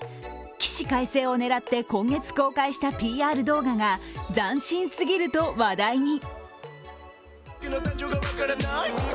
起死回生を狙って今月公開したＰＲ動画が斬新すぎると話題に。